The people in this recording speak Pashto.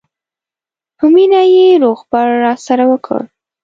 په مینه یې روغبړ راسره وکړ.